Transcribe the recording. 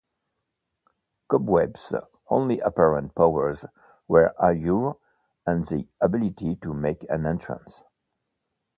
Cobweb's only apparent powers were allure and the ability to make an entrance.